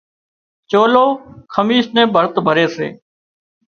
چولو، کميس نين ڀرت ڀري سي